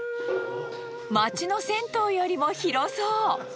街の銭湯よりも広そう。